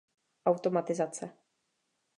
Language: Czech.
Automatizace.